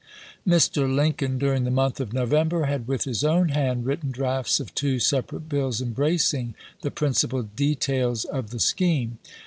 Mr. Lincoln during the month of November had with his own hand written drafts of two sepa rate bills embracing the principal details of the scheme.